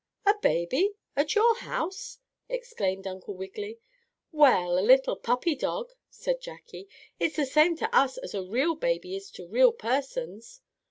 "A baby? At your house?" exclaimed Uncle Wiggily. "Well, a little puppy dog," said Jackie. "That's the same to us as a real baby is to real persons."